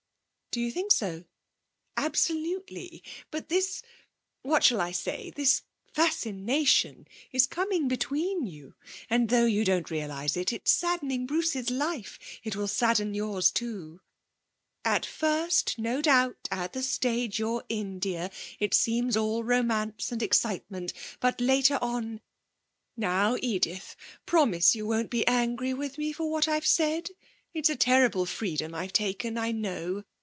'Do you think so?' 'Absolutely. But this what shall I say? this fascination is coming between you, and, though you don't realise it, it's saddening Bruce's life; it will sadden yours too. At first, no doubt, at the stage you're in, dear, it seems all romance and excitement. But later on Now, Edith, promise me you won't be angry with me for what I've said? It's a terrible freedom that I've taken, I know.